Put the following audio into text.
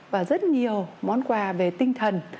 và rất nhiều món quà về tinh thần